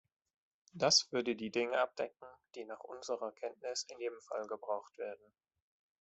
Das würde die Dinge abdecken, die nach unserer Kenntnis in jedem Fall gebraucht werden.